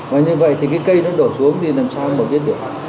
và như vậy thì cái cây nó đổ xuống thì làm sao mà biết được